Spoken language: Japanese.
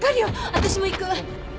私も行く！